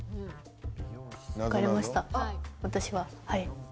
私ははい。